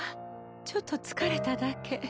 ちょっと疲れただけ。